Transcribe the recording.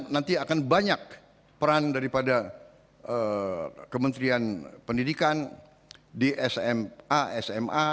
nanti akan banyak peran daripada kementerian pendidikan di sma sma